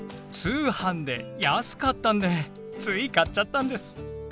通販で安かったんでつい買っちゃったんです。